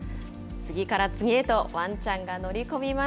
次から次へとワンちゃんが乗り込みます。